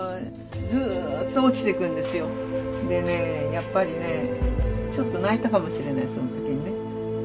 やっぱりねちょっと泣いたかもしれないその時にね。